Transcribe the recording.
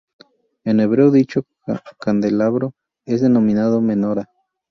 En hebreo, dicho candelabro es denominado "menorá".